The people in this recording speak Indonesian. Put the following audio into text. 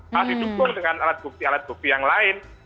masih cukup dengan alat bukti alat bukti yang lain